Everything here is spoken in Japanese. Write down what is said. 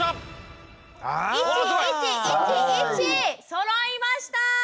そろいました！